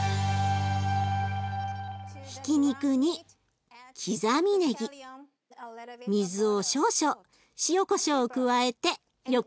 ひき肉に刻みねぎ水を少々塩こしょうを加えてよく練ります。